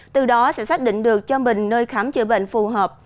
từ đó sẽ xác định được cho mình nơi khám chữa bệnh phù hợp